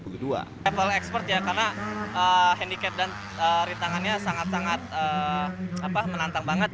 level expert ya karena handicap dan rintangannya sangat sangat menantang banget